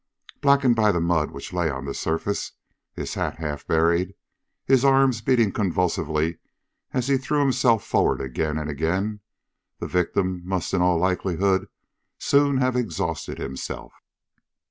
Blackened by the mud which lay on the surface, his hat half buried, his arms beating convulsively as he threw himself forward again and again, the victim must in all likelihood soon have exhausted himself.